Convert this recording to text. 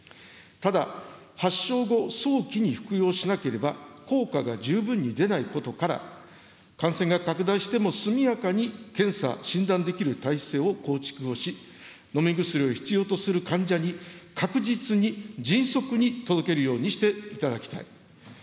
ただ、発症後、早期に服用しなければ効果が十分に出ないことから、感染が拡大しても速やかに検査・診断できる体制を構築をし、飲み薬を必要とする患者に、確実に迅速に届けるようにしていただきたい。